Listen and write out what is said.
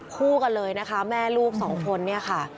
คู่กันเลยนะคะแม่ลูก๒คนค่ะ